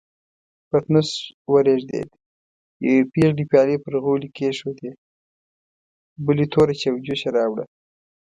پتنوس ورېږدېد، يوې پېغلې پيالې پر غولي کېښودې، بلې توره چايجوشه راوړه.